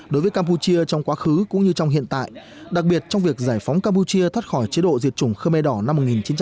đối với campuchia trong quá khứ cũng như trong hiện tại đặc biệt trong việc giải phóng campuchia thoát khỏi chế độ diệt chủng khmer đỏ năm một nghìn chín trăm tám mươi